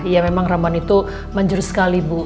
ya memang ramuan itu manjur sekali bu